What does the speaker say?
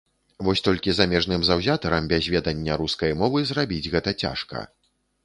Вось толькі замежным заўзятарам без ведання рускай мовы зрабіць гэта цяжка.